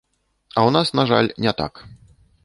А ў нас, на жаль, не так.